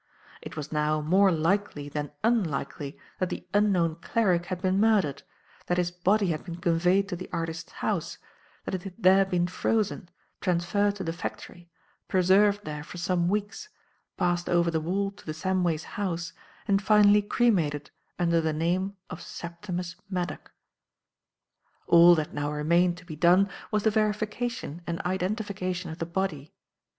It was now more likely than unlikely that the unknown cleric had been murdered, that his body had been conveyed to the artist's house, that it had there been frozen, transferred to the factory, preserved there for some weeks, passed over the wall to the Samways' house, and finally cremated under the name of Septimus Maddock. "All that now remained to be done was the verification and identification of the body.